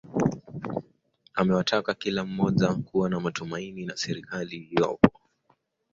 Amewataka kila mmoja kuwa na matumaini na serikali iliyopo